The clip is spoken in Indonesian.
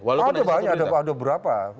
ada banyak ada berapa